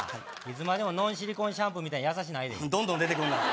いつまでもノンシリコンシャンプーみたいに優しないでどんどん出てくるな